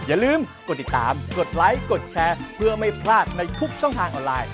อย่าลืมกดติดตามกดไลค์กดแชร์เพื่อไม่พลาดในทุกช่องทางออนไลน์